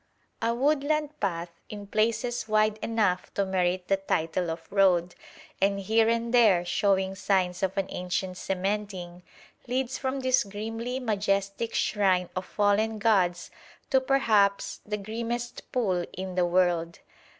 A woodland path, in places wide enough to merit the title of road, and here and there showing signs of an ancient cementing, leads from this grimly majestic shrine of fallen gods to perhaps the grimmest pool in the world.